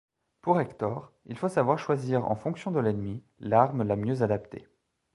Pour Hector, il faut savoir choisir en fonction de l'ennemi l'arme la mieux adaptée.